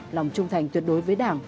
lòng trung thành tuyệt đối với đảng